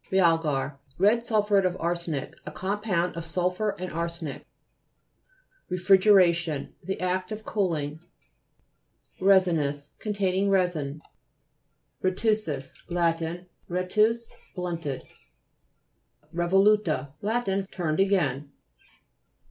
REA'LGAR Red sulphnret of arsenic. A compound of sulphur and ar senic. REFRIGERA'TION The act of cool ing. GLOSSARY. GEOLOGY. 231 RESINOUS Containing resin. RETU'SUS Lat. Retuse ; blunted. RKVOLU'TA Lat. Turned again.